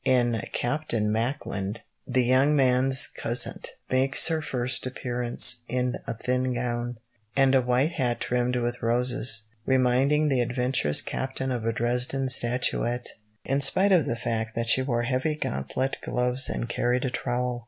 In Captain Macklin, the young man's cousin makes her first appearance in a thin gown, and a white hat trimmed with roses, reminding the adventurous captain of a Dresden statuette, in spite of the fact that she wore heavy gauntlet gloves and carried a trowel.